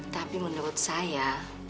tapi menurut saya